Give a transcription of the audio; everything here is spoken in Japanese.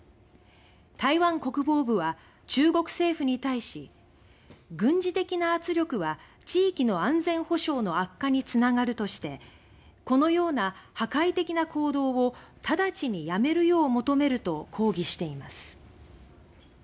台湾国防部は中国政府に対し「軍事的な圧力は地域の安全保障の悪化につながる」として「このような破壊的な行動を直ちにやめるよう求める」と抗議しています。